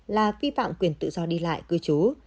là vi phạm quyền tự do đi lại cư trú